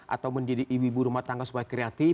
atau mendidik ibu rumah tangga supaya kreatif